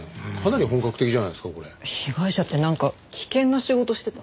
被害者ってなんか危険な仕事してたの？